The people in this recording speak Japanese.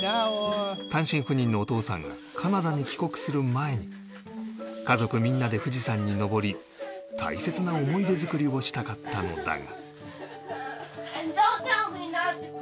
単身赴任のお父さんがカナダに帰国する前に家族みんなで富士山に登り大切な思い出作りをしたかったのだが